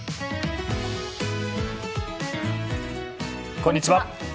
こんにちは。